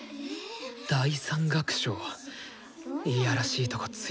第３楽章いやらしいとこ突いてくるな。